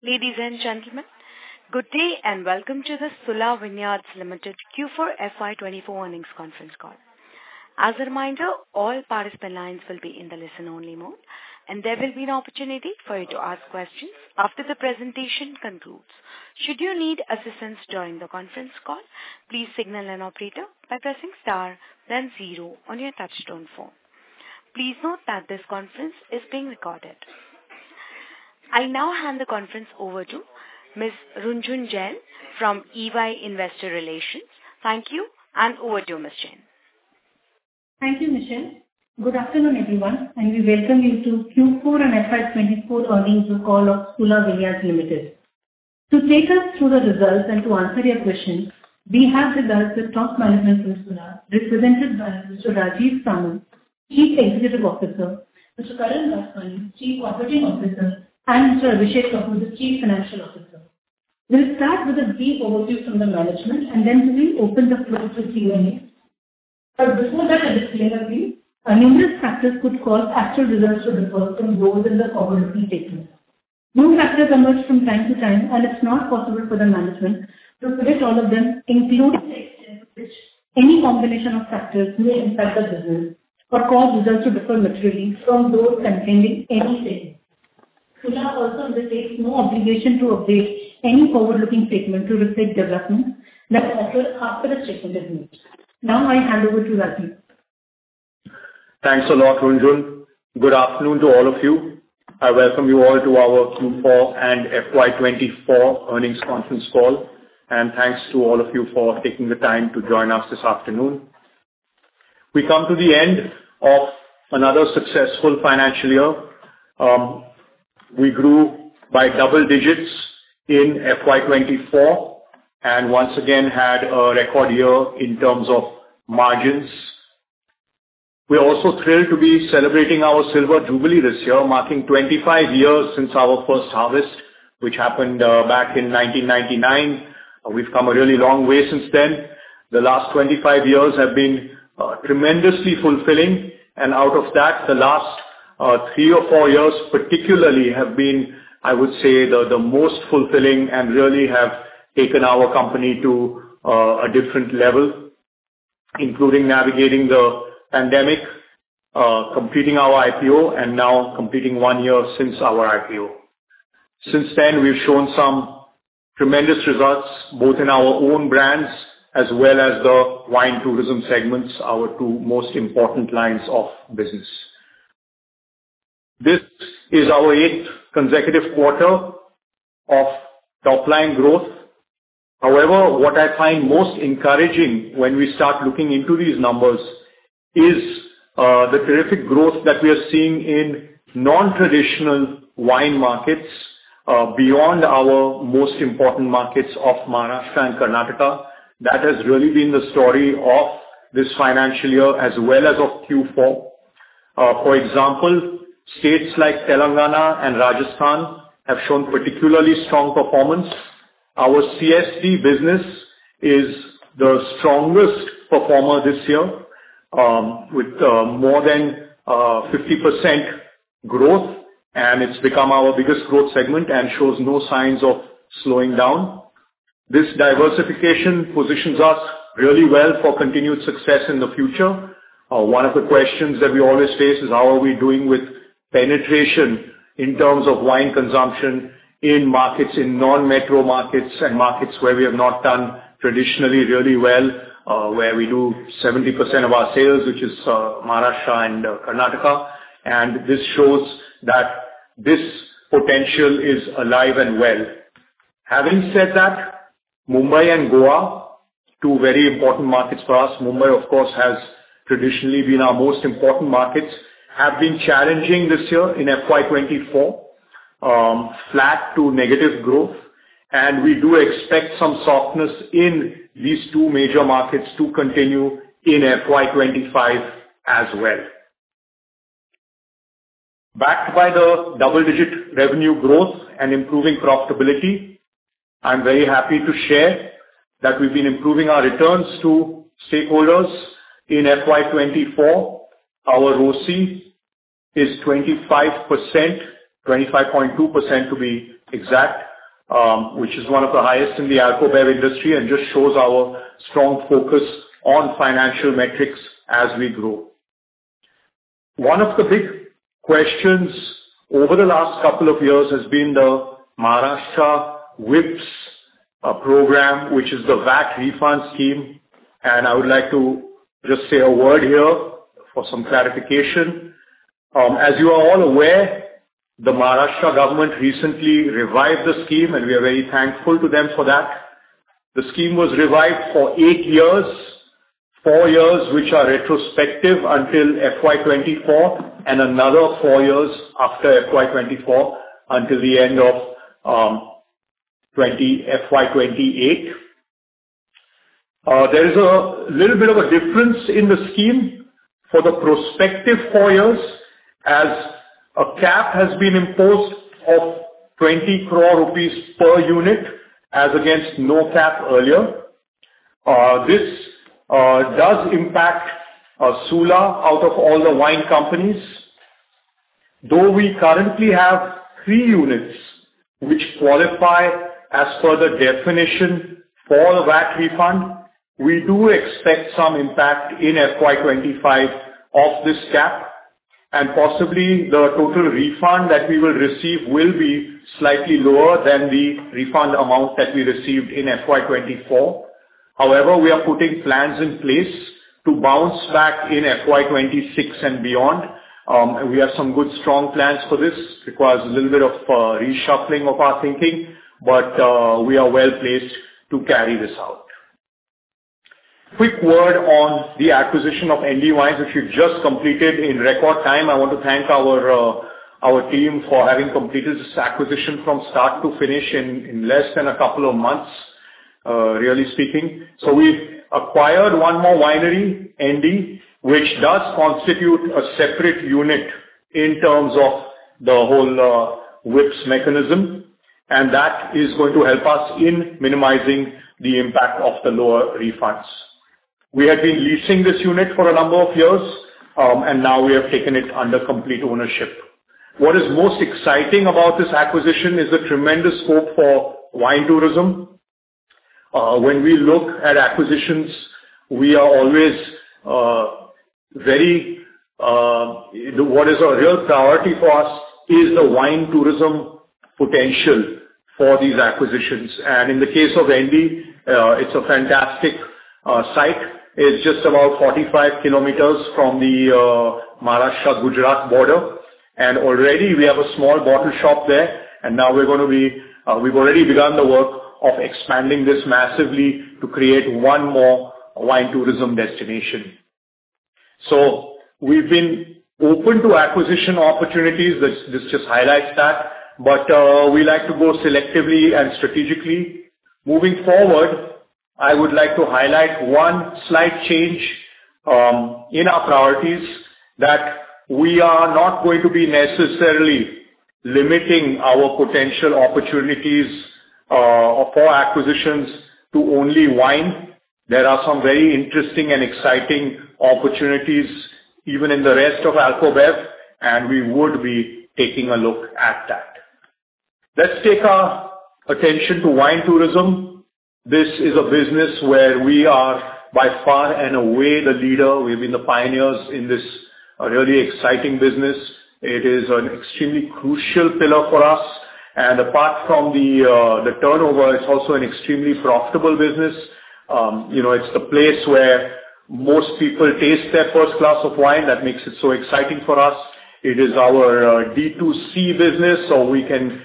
Ladies and gentlemen, good day, and welcome to the Sula Vineyards Limited Q4 FY24 earnings conference call. As a reminder, all participant lines will be in the listen-only mode, and there will be an opportunity for you to ask questions after the presentation concludes. Should you need assistance during the conference call, please signal an operator by pressing star then zero on your touchtone phone. Please note that this conference is being recorded. I'll now hand the conference over to Ms. Runjhun Jain from EY Investor Relations. Thank you, and over to you, Ms. Jain. Thank you, Michelle. Good afternoon, everyone, and we welcome you to Q4 and FY24 earnings call of Sula Vineyards Limited. To take us through the results and to answer your questions, we have with us the top management from Sula, represented by Mr. Rajeev Samant, Chief Executive Officer, Mr. Karan Vasani, Chief Operating Officer, and Mr. Abhishek Kapoor, the Chief Financial Officer. We'll start with a brief overview from the management, and then we will open the floor to Q&A. But before that, a disclaimer read: Numerous factors could cause actual results to differ from those in the forward-looking statements. New factors emerge from time to time, and it's not possible for the management to predict all of them, including the extent to which any combination of factors may impact the business or cause results to differ materially from those contained in any statement. Sula also undertakes no obligation to update any forward-looking statement to reflect developments that occur after the statement is made. Now I hand over to Rajeev. Thanks a lot, Runjhun. Good afternoon to all of you. I welcome you all to our Q4 and FY24 earnings conference call, and thanks to all of you for taking the time to join us this afternoon. We come to the end of another successful financial year. We grew by double digits in FY24 and once again had a record year in terms of margins. We are also thrilled to be celebrating our silver jubilee this year, marking 25 years since our first harvest, which happened back in 1999. We've come a really long way since then. The last 25 years have been tremendously fulfilling, and out of that, the last three or four years particularly have been, I would say, the most fulfilling and really have taken our company to a different level, including navigating the pandemic, completing our IPO, and now completing one year since our IPO. Since then, we've shown some tremendous results, both in our own brands as well as the wine tourism segments, our two most important lines of business. This is our eighth consecutive quarter of top-line growth. However, what I find most encouraging when we start looking into these numbers is the terrific growth that we are seeing in non-traditional wine markets beyond our most important markets of Maharashtra and Karnataka. That has really been the story of this financial year as well as of Q4. For example, states like Telangana and Rajasthan have shown particularly strong performance. Our CSD business is the strongest performer this year, with more than 50% growth, and it's become our biggest growth segment and shows no signs of slowing down. This diversification positions us really well for continued success in the future. One of the questions that we always face is: How are we doing with penetration in terms of wine consumption in markets, in non-metro markets and markets where we have not done traditionally really well, where we do 70% of our sales, which is Maharashtra and Karnataka, and this shows that this potential is alive and well. Having said that, Mumbai and Goa, two very important markets for us, Mumbai, of course, has traditionally been our most important markets, have been challenging this year in FY 2024, flat to negative growth. We do expect some softness in these two major markets to continue in FY 2025 as well. Backed by the double-digit revenue growth and improving profitability, I'm very happy to share that we've been improving our returns to stakeholders. In FY 2024, our ROCE is 25%, 25.2% to be exact, which is one of the highest in the Alcobev industry and just shows our strong focus on financial metrics as we grow. One of the big questions over the last couple of years has been the Maharashtra WIPS program, which is the VAT refund scheme, and I would like to just say a word here for some clarification. As you are all aware, the Maharashtra government recently revived the scheme, and we are very thankful to them for that. The scheme was revived for 8 years, 4 years, which are retrospective until FY24, and another 4 years after FY24 until the end of FY28. There is a little bit of a difference in the scheme for the prospective 4 years, as a cap has been imposed of 20 crore rupees per unit as against no cap earlier. This does impact Sula out of all the wine companies. Though we currently have 3 units which qualify as per the definition for the VAT refund, we do expect some impact in FY25 of this cap, and possibly the total refund that we will receive will be slightly lower than the refund amount that we received in FY24. However, we are putting plans in place to bounce back in FY 2026 and beyond. And we have some good strong plans for this. Requires a little bit of, reshuffling of our thinking, but, we are well-placed to carry this out. Quick word on the acquisition of ND Wines, which we've just completed in record time. I want to thank our our team for having completed this acquisition from start to finish in, less than a couple of months, really speaking. So we've acquired one more winery, ND, which does constitute a separate unit in terms of the whole, WIPS mechanism, and that is going to help us in minimizing the impact of the lower refunds. We have been leasing this unit for a number of years, and now we have taken it under complete ownership. What is most exciting about this acquisition is the tremendous scope for wine tourism. When we look at acquisitions, we are always very... What is a real priority for us is the wine tourism potential for these acquisitions, and in the case of ND, it's a fantastic site. It's just about 45 km from the Maharashtra-Gujarat border, and already we have a small bottle shop there, and now we're gonna be, we've already begun the work of expanding this massively to create one more wine tourism destination. So we've been open to acquisition opportunities. This just highlights that, but we like to go selectively and strategically. Moving forward, I would like to highlight one slight change in our priorities, that we are not going to be necessarily limiting our potential opportunities for acquisitions to only wine. There are some very interesting and exciting opportunities even in the rest of alcobev, and we would be taking a look at that. Let's take our attention to wine tourism. This is a business where we are by far and away the leader. We've been the pioneers in this really exciting business. It is an extremely crucial pillar for us, and apart from the turnover, it's also an extremely profitable business. You know, it's the place where most people taste their first glass of wine, that makes it so exciting for us. It is our D2C business, so we can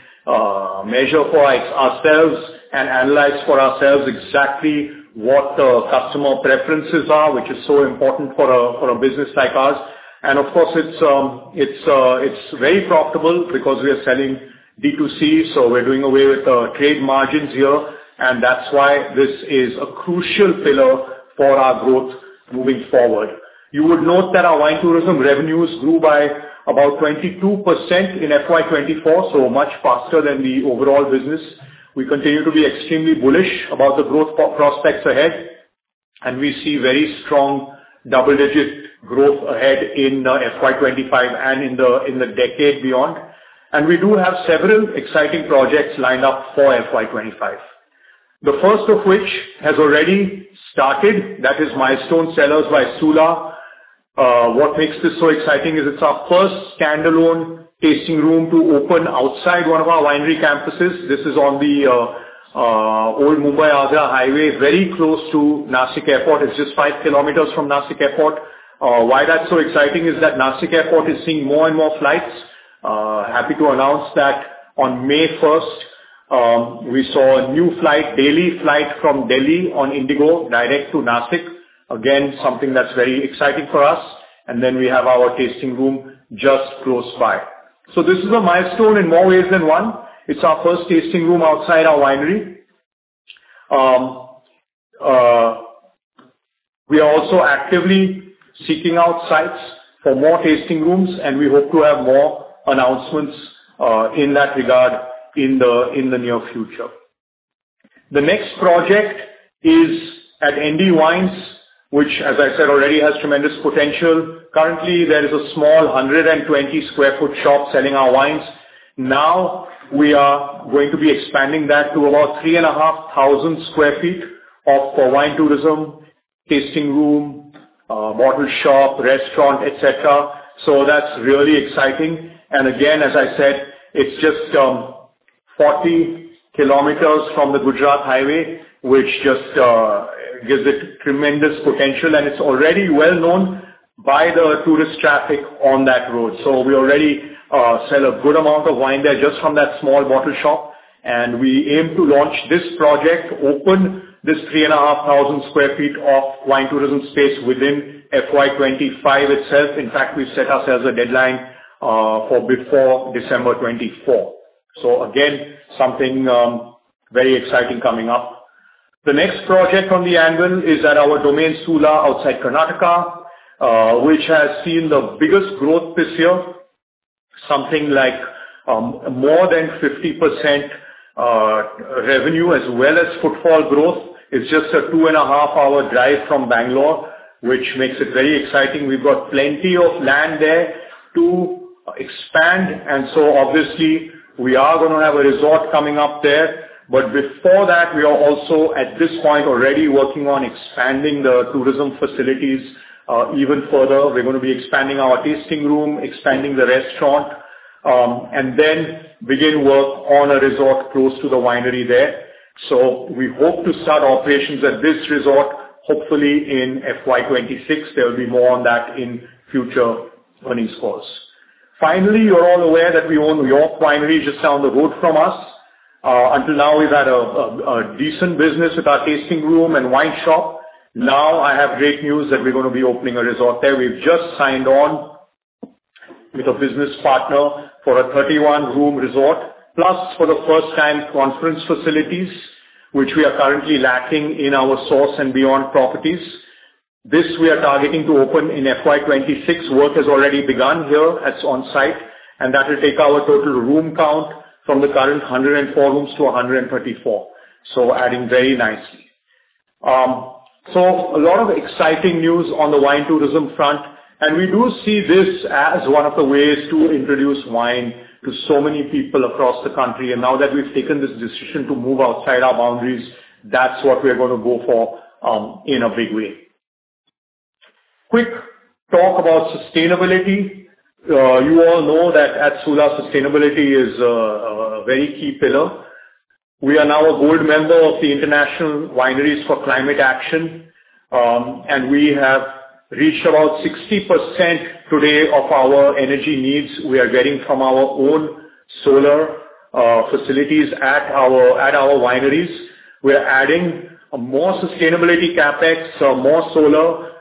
measure for ourselves and analyze for ourselves exactly what the customer preferences are, which is so important for a business like ours. Of course, it's very profitable because we are selling D2C, so we're doing away with the trade margins here, and that's why this is a crucial pillar for our growth moving forward. You would note that our wine tourism revenues grew by about 22% in FY24, so much faster than the overall business. We continue to be extremely bullish about the growth prospects ahead, and we see very strong double-digit growth ahead in FY25 and in the decade beyond. And we do have several exciting projects lined up for FY25. The first of which has already started, that is Milestone Cellars by Sula. What makes this so exciting is it's our first standalone tasting room to open outside one of our winery campuses. This is on the old Mumbai-Ahmedabad highway, very close to Nashik Airport. It's just five kilometers from Nashik Airport. Why that's so exciting is that Nashik Airport is seeing more and more flights. Happy to announce that on May first, we saw a new flight, daily flight from Delhi on IndiGo, direct to Nashik. Again, something that's very exciting for us. And then we have our tasting room just close by. So this is a milestone in more ways than one. It's our first tasting room outside our winery. We are also actively seeking out sites for more tasting rooms, and we hope to have more announcements, in that regard in the near future. The next project is at ND Wines, which, as I said already, has tremendous potential. Currently, there is a small 120 sq ft shop selling our wines. Now, we are going to be expanding that to about 3,500 sq ft of... For wine tourism, tasting room, bottle shop, restaurant, et cetera. So that's really exciting. And again, as I said, it's just, forty kilometers from the Gujarat highway, which just, gives it tremendous potential, and it's already well known by the tourist traffic on that road. So we already, sell a good amount of wine there just from that small bottle shop, and we aim to launch this project, open this 3,500 sq ft of wine tourism space within FY25 itself. In fact, we've set ourselves a deadline, for before December 2024. So again, something, very exciting coming up. The next project on the anvil is at our Domaine Sula in Karnataka, which has seen the biggest growth this year.... something like more than 50% revenue as well as footfall growth. It's just a 2.5-hour drive from Bengaluru, which makes it very exciting. We've got plenty of land there to expand, and so obviously we are gonna have a resort coming up there. But before that, we are also, at this point, already working on expanding the tourism facilities even further. We're gonna be expanding our tasting room, expanding the restaurant, and then begin work on a resort close to the winery there. So we hope to start operations at this resort, hopefully in FY 2026. There'll be more on that in future earnings calls. Finally, you're all aware that we own York Winery, just down the road from us. Until now, we've had a decent business with our tasting room and wine shop. Now, I have great news that we're gonna be opening a resort there. We've just signed on with a business partner for a 31-room resort, plus, for the first time, conference facilities, which we are currently lacking in our Source and beyond properties. This we are targeting to open in FY 2026. Work has already begun here, as on site, and that will take our total room count from the current 104 rooms to 134. So adding very nicely. So a lot of exciting news on the wine tourism front, and we do see this as one of the ways to introduce wine to so many people across the country. And now that we've taken this decision to move outside our boundaries, that's what we are gonna go for, in a big way. Quick talk about sustainability. You all know that at Sula, sustainability is a very key pillar. We are now a gold member of the International Wineries for Climate Action, and we have reached about 60% today of our energy needs we are getting from our own solar facilities at our wineries. We are adding more sustainability CapEx, so more solar.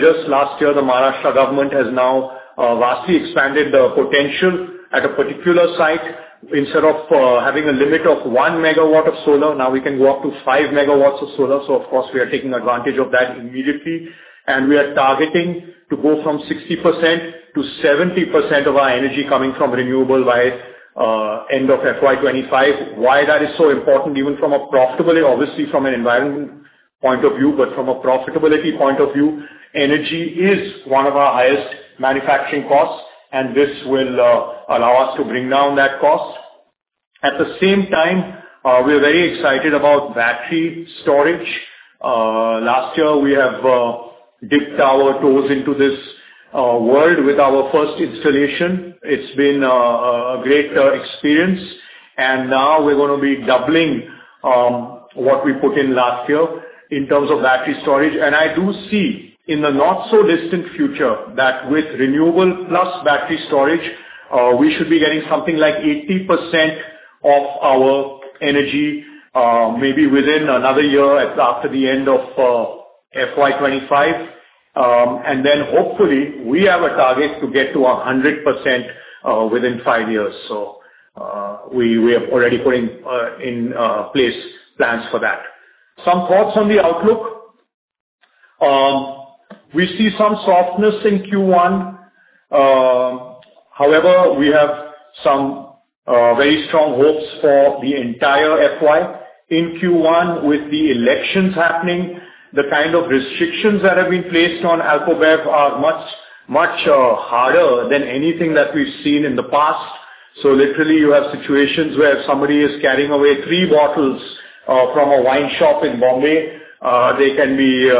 Just last year, the Maharashtra government has now vastly expanded the potential at a particular site. Instead of having a limit of 1 megawatt of solar, now we can go up to 5 megawatts of solar, so of course, we are taking advantage of that immediately. And we are targeting to go from 60%-70% of our energy coming from renewable by end of FY25. Why that is so important, even from a profitability, obviously, from an environment point of view, but from a profitability point of view, energy is one of our highest manufacturing costs, and this will allow us to bring down that cost. At the same time, we are very excited about battery storage. Last year, we have dipped our toes into this world with our first installation. It's been a great experience. And now we're gonna be doubling what we put in last year in terms of battery storage. And I do see in the not-so-distant future, that with renewable plus battery storage, we should be getting something like 80% of our energy, maybe within another year, at after the end of FY 2025. And then hopefully, we have a target to get to 100%, within five years. So, we have already put in place plans for that. Some thoughts on the outlook. We see some softness in Q1. However, we have some very strong hopes for the entire FY. In Q1, with the elections happening, the kind of restrictions that have been placed on alcobev are much, much harder than anything that we've seen in the past. So literally, you have situations where somebody is carrying away three bottles from a wine shop in Mumbai, they can be,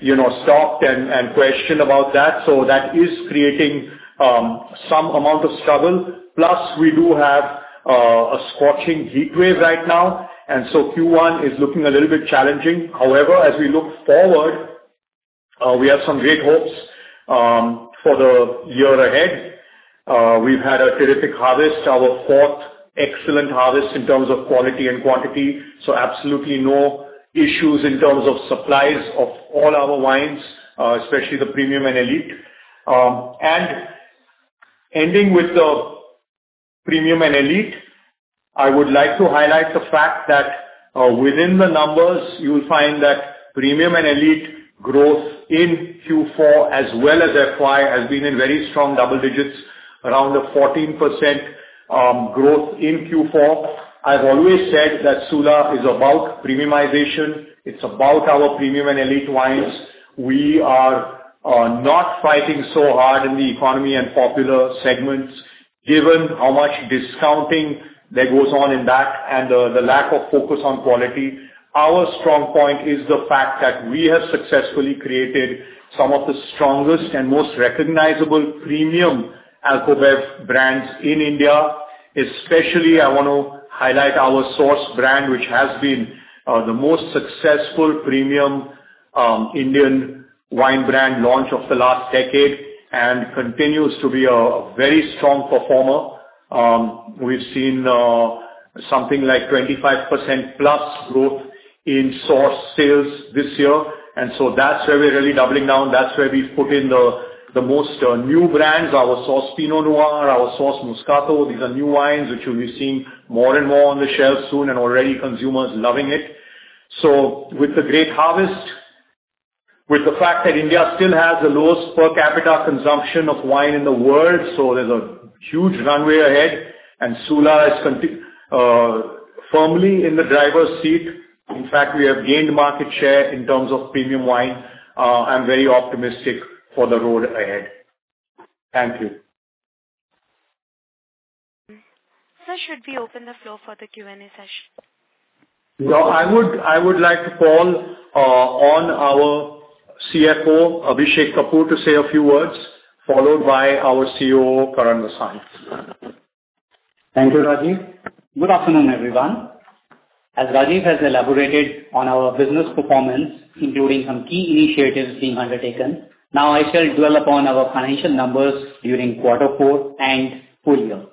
you know, stopped and questioned about that. So that is creating some amount of struggle. Plus, we do have a scorching heat wave right now, and so Q1 is looking a little bit challenging. However, as we look forward, we have some great hopes for the year ahead. We've had a terrific harvest, our fourth excellent harvest in terms of quality and quantity, so absolutely no issues in terms of supplies of all our wines, especially the premium and elite. And ending with the premium and elite, I would like to highlight the fact that within the numbers, you'll find that premium and elite growth in Q4, as well as FY, has been in very strong double digits, around a 14% growth in Q4. I've always said that Sula is about premiumization. It's about our premium and elite wines. We are not fighting so hard in the economy and popular segments, given how much discounting that goes on in that and the lack of focus on quality. Our strong point is the fact that we have successfully created some of the strongest and most recognizable premium Alcobev brands in India. Especially, I want to highlight our Source brand, which has been the most successful premium Indian wine brand launch of the last decade, and continues to be a very strong performer. We've seen something like 25%+ growth in Source sales this year, and so that's where we're really doubling down. That's where we've put in the most new brands, our Source Pinot Noir, our Source Moscato. These are new wines, which you'll be seeing more and more on the shelves soon, and already consumers loving it. With the fact that India still has the lowest per capita consumption of wine in the world, so there's a huge runway ahead, and Sula is firmly in the driver's seat. In fact, we have gained market share in terms of premium wine. I'm very optimistic for the road ahead. Thank you. Sir, should we open the floor for the Q&A session? No, I would like to call on our CFO, Abhishek Kapoor, to say a few words, followed by our COO, Karan Vasani. Thank you, Rajeev. Good afternoon, everyone. As Rajeev has elaborated on our business performance, including some key initiatives being undertaken, now I shall dwell upon our financial numbers during quarter four and full year.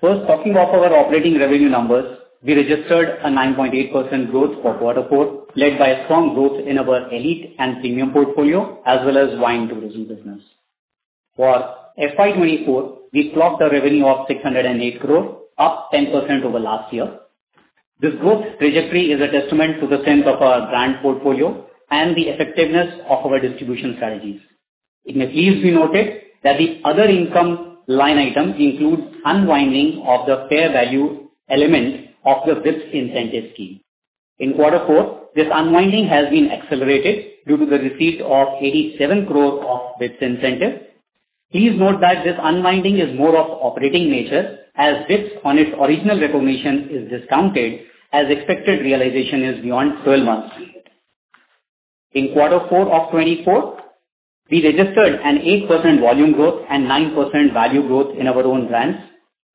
First, talking of our operating revenue numbers, we registered a 9.8% growth for quarter four, led by a strong growth in our elite and premium portfolio, as well as wine tourism business. For FY24, we clocked a revenue of 608 crore, up 10% over last year. This growth trajectory is a testament to the strength of our brand portfolio and the effectiveness of our distribution strategies. It may please be noted that the other income line item includes unwinding of the fair value element of the WIPS incentive scheme. In quarter four, this unwinding has been accelerated due to the receipt of 87 crore of WIPS incentive. Please note that this unwinding is more of operating nature, as WIPS on its original recognition is discounted, as expected realization is beyond 12 months period. In quarter four of 2024, we registered an 8% volume growth and 9% value growth in our own brands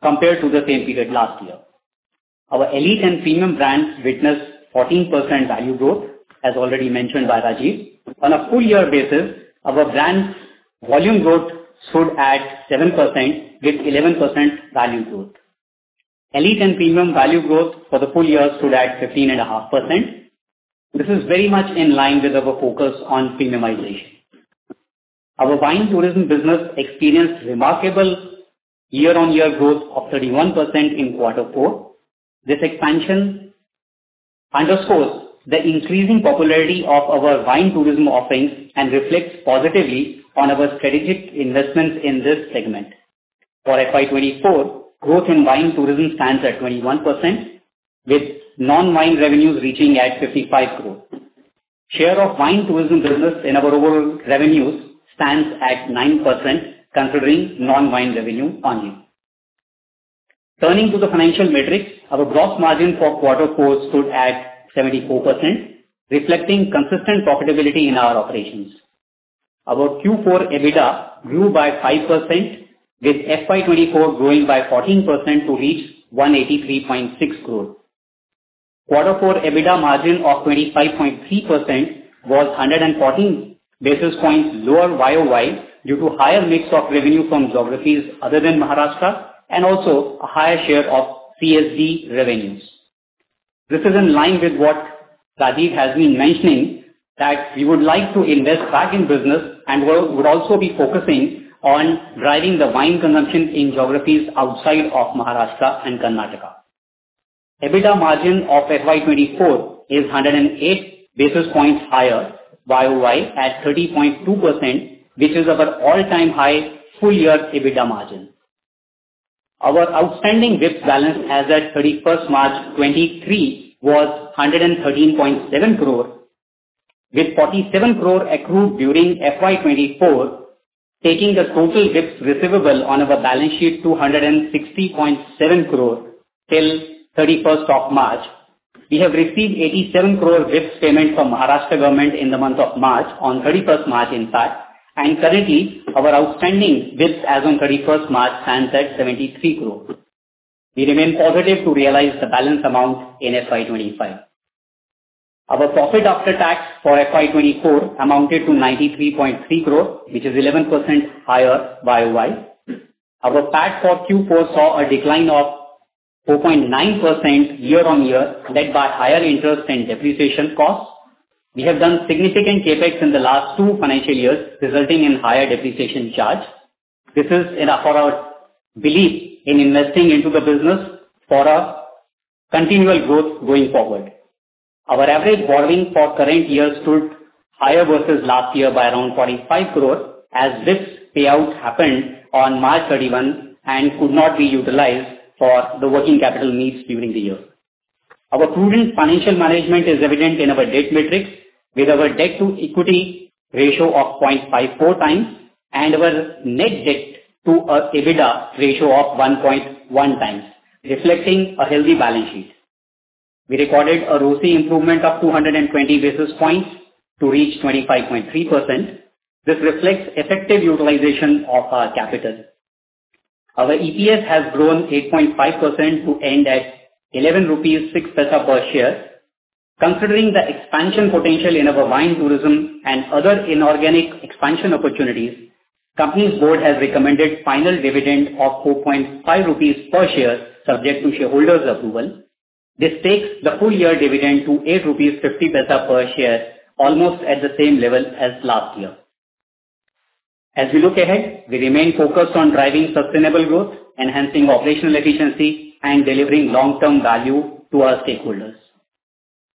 compared to the same period last year. Our elite and premium brands witnessed 14% value growth, as already mentioned by Rajeev. On a full year basis, our brand's volume growth stood at 7%, with 11% value growth. Elite and premium value growth for the full year stood at 15.5%. This is very much in line with our focus on premiumization. Our wine tourism business experienced remarkable year-on-year growth of 31% in quarter four. This expansion underscores the increasing popularity of our wine tourism offerings and reflects positively on our strategic investments in this segment. For FY 2024, growth in wine tourism stands at 21%, with non-wine revenues reaching at 55 crore. Share of wine tourism business in our overall revenues stands at 9%, considering non-wine revenue only. Turning to the financial metrics, our gross margin for quarter four stood at 74%, reflecting consistent profitability in our operations. Our Q4 EBITDA grew by 5%, with FY 2024 growing by 14% to reach 183.6 crore. Quarter four EBITDA margin of 25.3% was 114 basis points lower year-over-year, due to higher mix of revenue from geographies other than Maharashtra and also a higher share of CSD revenues. This is in line with what Rajeev has been mentioning, that we would like to invest back in business and we would also be focusing on driving the wine consumption in geographies outside of Maharashtra and Karnataka. EBITDA margin of FY24 is 108 basis points higher YOY at 30.2%, which is our all-time high full year EBITDA margin. Our outstanding WIPS balance as at 31 March 2023 was 113.7 crore, with 47 crore accrued during FY24, taking the total WIPS receivable on our balance sheet to 160.7 crore till 31 March 2024. We have received 87 crore WIPS payment from Maharashtra government in the month of March, on 31 March 2024 in fact, and currently our outstanding WIPS as on 31 March 2024 stands at 73 crore. We remain positive to realize the balance amount in FY25. Our profit after tax for FY24 amounted to 93.3 crore, which is 11% higher YOY. Our tax for Q4 saw a decline of 4.9% year-on-year, led by higher interest and depreciation costs. We have done significant CapEx in the last two financial years, resulting in higher depreciation charge. This is in our belief in investing into the business for a continual growth going forward. Our average borrowing for current year stood higher versus last year by around 45 crore, as this payout happened on March 31 and could not be utilized for the working capital needs during the year. Our prudent financial management is evident in our debt matrix, with our debt-to-equity ratio of 0.54 times and our net debt to our EBITDA ratio of 1.1 times, reflecting a healthy balance sheet. We recorded a ROCE improvement of 220 basis points to reach 25.3%. This reflects effective utilization of our capital. Our EPS has grown 8.5% to end at 11.06 rupees per share. Considering the expansion potential in our wine tourism and other inorganic expansion opportunities, company's board has recommended final dividend of 4.5 rupees per share, subject to shareholders' approval. This takes the full year dividend to 8.50 rupees per share, almost at the same level as last year. As we look ahead, we remain focused on driving sustainable growth, enhancing operational efficiency and delivering long-term value to our stakeholders.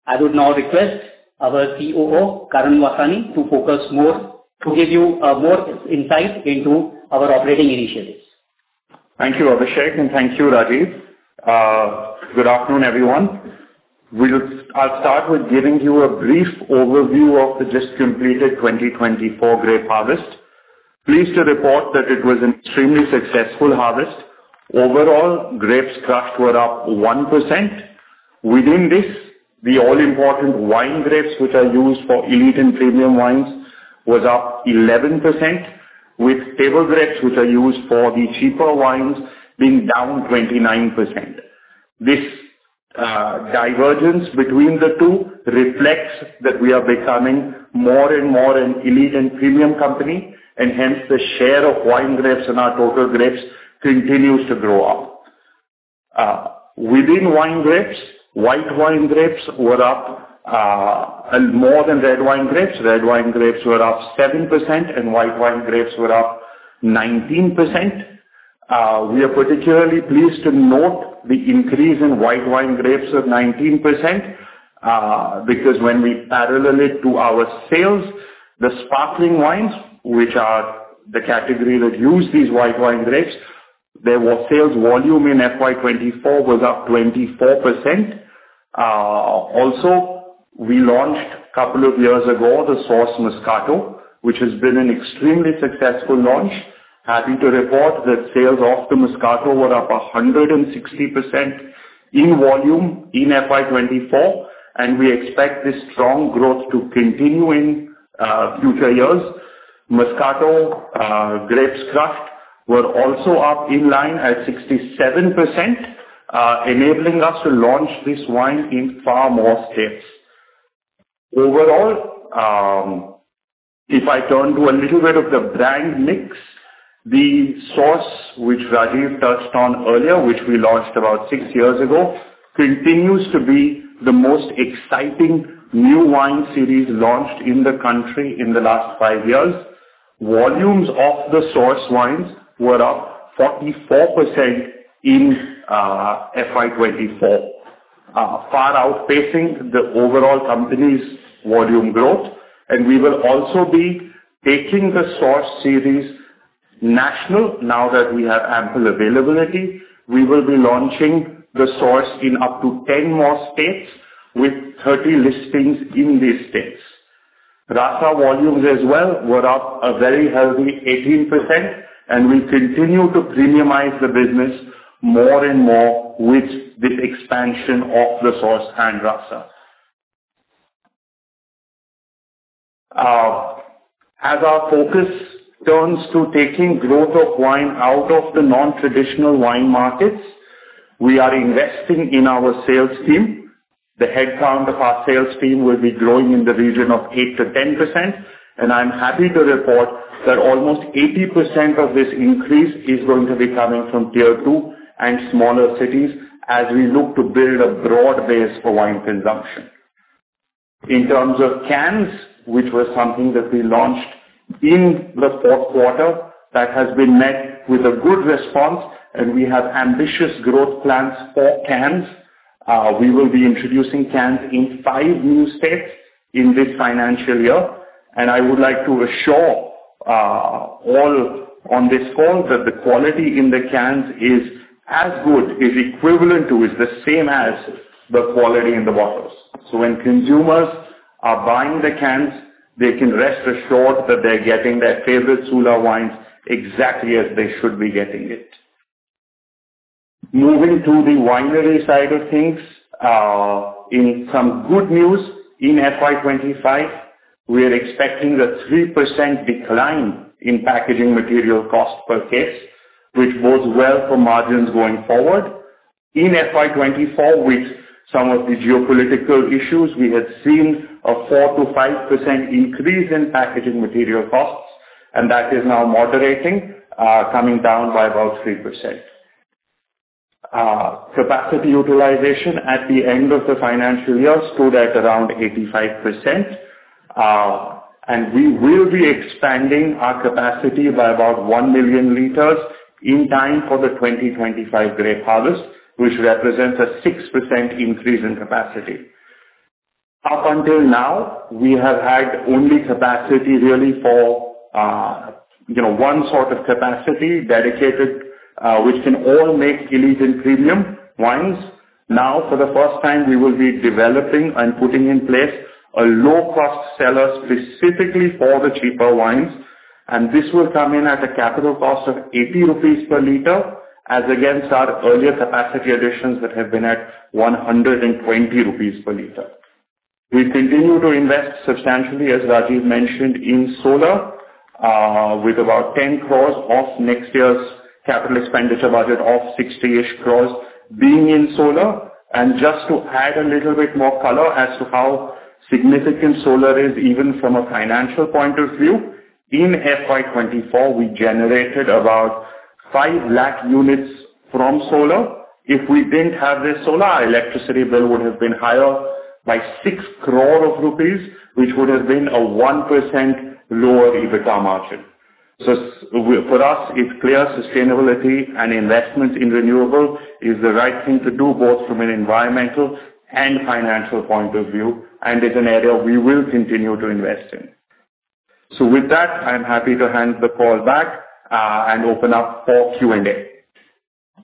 I would now request our COO, Karan Vasani, to focus more, to give you, more insight into our operating initiatives. Thank you, Abhishek, and thank you, Rajeev. Good afternoon, everyone. I'll start with giving you a brief overview of the just completed 2024 grape harvest. Pleased to report that it was an extremely successful harvest. Overall, grapes crushed were up 1%. Within this, the all-important wine grapes, which are used for elite and premium wines, was up 11%, with table grapes, which are used for the cheaper wines, being down 29%. This divergence between the two reflects that we are becoming more and more an elite and premium company, and hence the share of wine grapes in our total grapes continues to grow up. Within wine grapes, white wine grapes were up and more than red wine grapes. Red wine grapes were up 7% and white wine grapes were up 19%. We are particularly pleased to note the increase in white wine grapes of 19%, because when we parallel it to our sales, the sparkling wines, which are the category that use these white wine grapes, their sales volume in FY 2024 was up 24%. Also, we launched a couple of years ago, The Source Moscato, which has been an extremely successful launch. Happy to report that sales of the Moscato were up 160% in volume in FY 2024, and we expect this strong growth to continue in future years. Moscato grapes crushed were also up in line at 67%, enabling us to launch this wine in far more states. Overall, if I turn to a little bit of the brand mix, The Source, which Rajeev touched on earlier, which we launched about six years ago, continues to be the most exciting new wine series launched in the country in the last five years. Volumes of The Source wines were up 44% in FY 2024, far outpacing the overall company's volume growth. We will also be taking The Source series national. Now that we have ample availability, we will be launching The Source in up to 10 more states with 30 listings in these states. Rasa volumes as well were up a very healthy 18%, and we continue to premiumize the business more and more with the expansion of The Source and Rasa. As our focus turns to taking growth of wine out of the non-traditional wine markets, we are investing in our sales team. The headcount of our sales team will be growing in the region of 8%-10%, and I'm happy to report that almost 80% of this increase is going to be coming from Tier Two and smaller cities as we look to build a broad base for wine consumption. In terms of cans, which was something that we launched in the fourth quarter, that has been met with a good response, and we have ambitious growth plans for cans. We will be introducing cans in five new states in this financial year, and I would like to assure all on this call that the quality in the cans is as good, equivalent to, the same as the quality in the bottles. So when consumers are buying the cans, they can rest assured that they're getting their favorite Sula wines exactly as they should be getting it. Moving to the winery side of things, in some good news, in FY25, we are expecting a 3% decline in packaging material cost per case, which bodes well for margins going forward. In FY24, with some of the geopolitical issues, we had seen a 4%-5% increase in packaging material costs, and that is now moderating, coming down by about 3%. Capacity utilization at the end of the financial year stood at around 85%. And we will be expanding our capacity by about 1 million liters in time for the 2025 grape harvest, which represents a 6% increase in capacity. Up until now, we have had only capacity really for, you know, one sort of capacity dedicated, which can all make elite and premium wines. Now, for the first time, we will be developing and putting in place a low-cost cellar specifically for the cheaper wines, and this will come in at a capital cost of 80 rupees per liter, as against our earlier capacity additions that have been at 120 rupees per liter. We continue to invest substantially, as Rajeev mentioned, in solar, with about 10 crore of next year's capital expenditure budget of 60-ish crore being in solar. And just to add a little bit more color as to how significant solar is, even from a financial point of view, in FY 2024, we generated about 5 lakh units from solar. If we didn't have this solar, our electricity bill would have been higher by 6 crore rupees, which would have been a 1% lower EBITDA margin. So for us, it's clear sustainability and investment in renewable is the right thing to do, both from an environmental and financial point of view, and is an area we will continue to invest in. So with that, I'm happy to hand the call back, and open up for Q&A.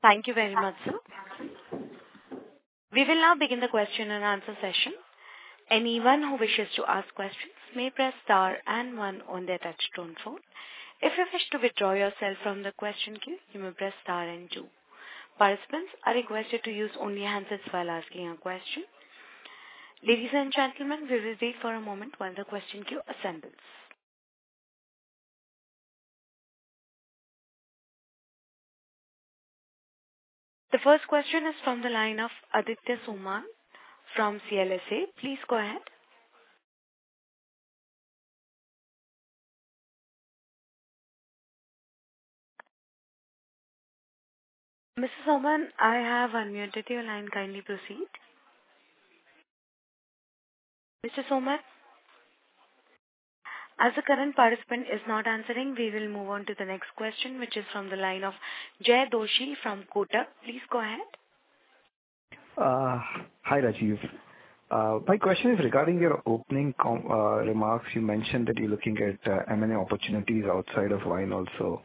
Thank you very much, sir. We will now begin the question and answer session. Anyone who wishes to ask questions may press star and one on their touchtone phone. If you wish to withdraw yourself from the question queue, you may press star and two. Participants are requested to use only answers while asking a question. Ladies and gentlemen, we will wait for a moment while the question queue assembles. The first question is from the line of Aditya Soman from CLSA. Please go ahead. Mr. Soman, I have unmuted your line. Kindly proceed. Mr. Soman? As the current participant is not answering, we will move on to the next question, which is from the line of Jaykumar Doshi from Kotak. Please go ahead. Hi, Rajeev. My question is regarding your opening comments. You mentioned that you're looking at M&A opportunities outside of wine also.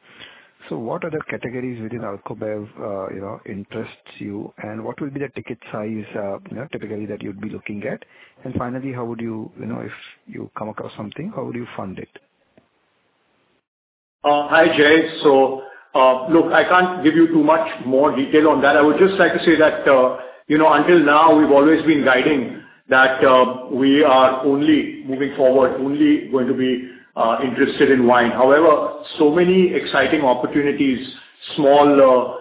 So what other categories within Alcobev, you know, interests you? And what will be the ticket size, you know, typically that you'd be looking at? And finally, how would you... You know, if you come across something, how would you fund it? Hi, Jay. So, look, I can't give you too much more detail on that. I would just like to say that, you know, until now, we've always been guiding that, we are only moving forward, only going to be, interested in wine. However, so many exciting opportunities, small,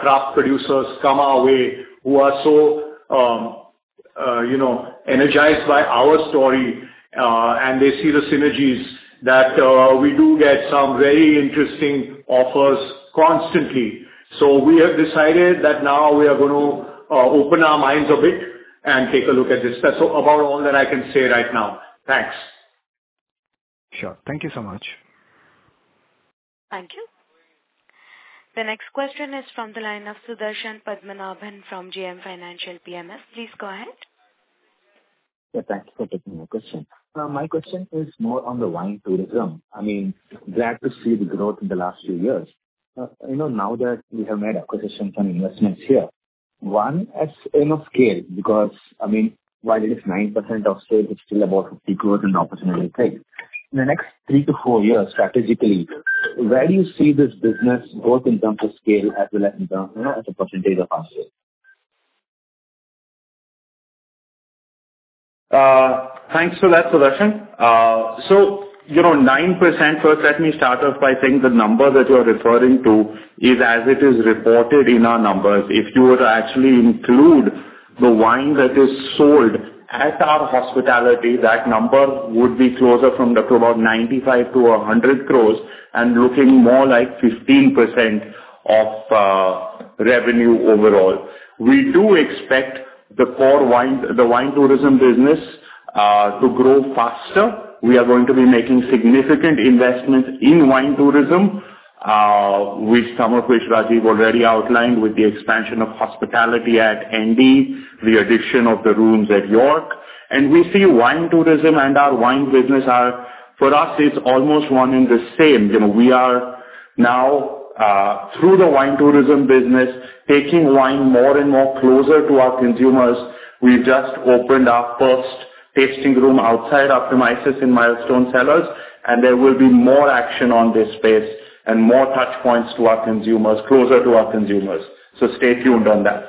craft producers come our way, who are so, you know, energized by our story, and they see the synergies that, we do get some very interesting offers constantly. So we have decided that now we are going to, open our minds a bit and take a look at this. That's about all that I can say right now. Thanks. Sure. Thank you so much. Thank you. The next question is from the line of Sudarshan Padmanabhan from JM Financial PMS. Please go ahead. Yeah, thanks for taking my question. My question is more on the wine tourism. I mean, glad to see the growth in the last few years. You know, now that we have made acquisitions and investments here, one, as in of scale, because, I mean, while it is 9% of sales, it's still about 50 billion opportunity, right? In the next 3-4 years, strategically, where do you see this business both in terms of scale as well as in terms, you know, as a percentage of our sales? Thanks for that, Sudarshan. So you know, 9%, first, let me start off by saying the number that you are referring to is as it is reported in our numbers. If you were to actually include the wine that is sold at our hospitality, that number would be closer from about 95-100 crores and looking more like 15% of revenue overall. We do expect the core wine, the wine tourism business, to grow faster. We are going to be making significant investments in wine tourism, with some of which Rajeev already outlined, with the expansion of hospitality at ND, the addition of the rooms at York. And we see wine tourism and our wine business are, for us, it's almost one and the same. You know, we are now through the wine tourism business, taking wine more and more closer to our consumers. We just opened our first tasting room outside our premises in Milestone Cellars, and there will be more action on this space and more touch points to our consumers, closer to our consumers. So stay tuned on that.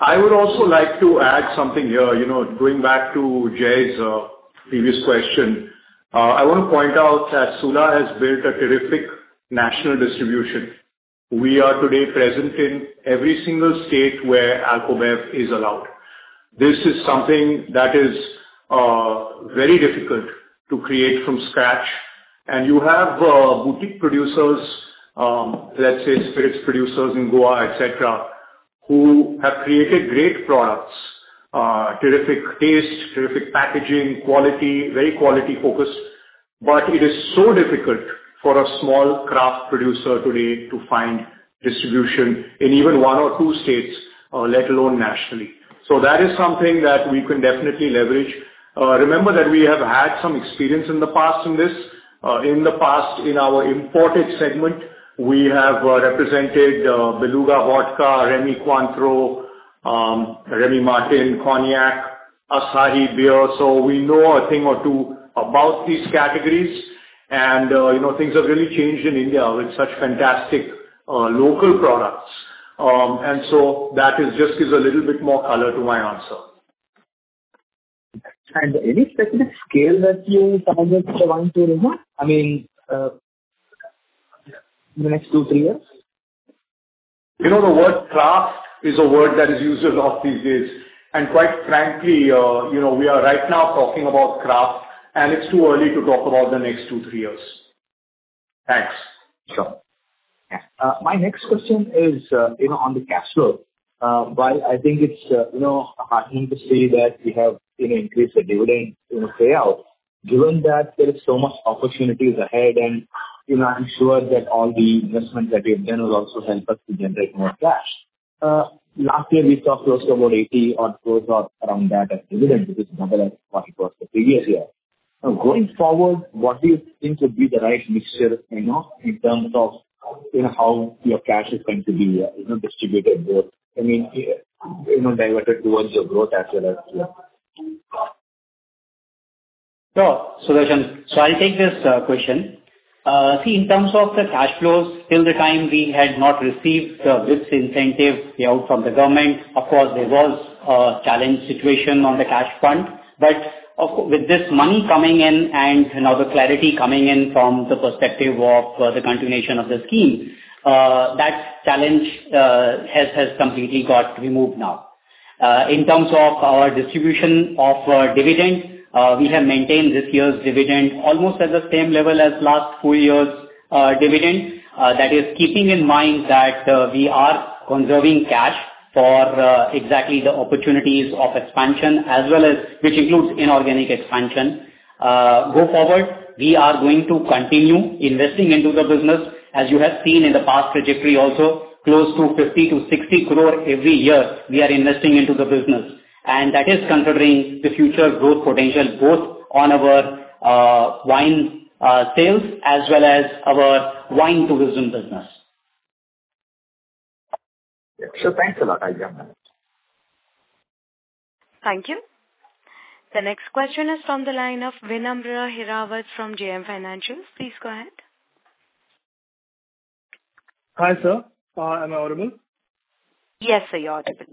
I would also like to add something here. You know, going back to Jay's previous question, I want to point out that Sula has built a terrific national distribution. We are today present in every single state where Alcobev is allowed. This is something that is very difficult to create from scratch. And you have boutique producers, let's say, spirits producers in Goa, et cetera, who have created great products, terrific taste, terrific packaging, quality, very quality-focused. But it is so difficult for a small craft producer today to find distribution in even one or two states, let alone nationally. So that is something that we can definitely leverage. Remember that we have had some experience in the past in this. In the past, in our imported segment, we have represented Beluga Vodka, Rémy Cointreau, Rémy Martin Cognac, Asahi Beer. So we know a thing or two about these categories. And, you know, things have really changed in India with such fantastic local products. And so that is just gives a little bit more color to my answer. Any specific scale that you target for wine tourism? I mean, in the next 2-3 years? You know, the word craft is a word that is used a lot these days, and quite frankly, you know, we are right now talking about craft, and it's too early to talk about the next two, three years. Thanks. Sure. Yeah. My next question is, you know, on the cash flow. While I think it's, you know, heartening to see that we have, you know, increased the dividend, you know, payout, given that there is so much opportunities ahead and, you know, I'm sure that all the investments that you've done will also help us to generate more cash. Last year we talked close to about 80 or close up around that as dividend, which is another 40% previous year. Now, going forward, what do you think would be the right mixture, you know, in terms of, you know, how your cash is going to be, you know, distributed both, I mean, you know, diverted towards your growth as well as well? Sure, Suveshan. So I'll take this question. See, in terms of the cash flows, till the time we had not received the WIPS incentive payout from the government, of course, there was a challenge situation on the cash front. But of course, with this money coming in and, you know, the clarity coming in from the perspective of the continuation of the scheme, that challenge has completely got removed now. In terms of our distribution of dividend, we have maintained this year's dividend almost at the same level as last full year's dividend. That is keeping in mind that we are conserving cash for exactly the opportunities of expansion, as well as which includes inorganic expansion. Go forward, we are going to continue investing into the business. As you have seen in the past trajectory also, close to 50-60 crore every year, we are investing into the business. That is considering the future growth potential, both on our wine sales, as well as our wine tourism business. Sure, thanks a lot. I'll jump in. Thank you. The next question is from the line of Vinamra Hirawat from JM Financial. Please go ahead. Hi, sir. Am I audible? Yes, sir, you're audible.